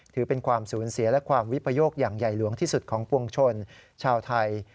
ถือเป็นความสูญเสียและความวิปโยคอย่างใหญ่หลวงที่สุดของปวงชนชาวไทย